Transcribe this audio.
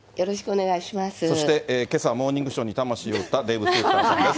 そして、けさ、モーニングショーに魂を売ったデーブ・スペクターさんです。